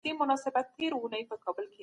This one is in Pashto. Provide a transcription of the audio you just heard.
هغې هم قناعت درلود خو لټه نه وه.